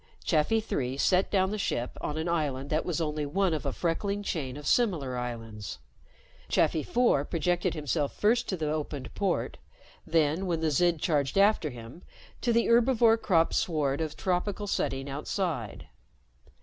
Chafi Three set down the ship on an island that was only one of a freckling chain of similar islands. Chafi Four projected himself first to the opened port; then, when the Zid charged after him, to the herbivore cropped sward of tropical setting outside.